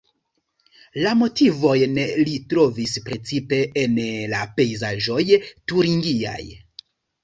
La motivojn li trovis precipe en la pejzaĝoj turingiaj.